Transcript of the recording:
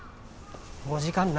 もう時間ない。